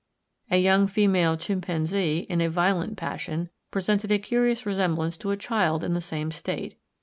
A young female chimpanzee, in a violent passion, presented a curious resemblance to a child in the same state.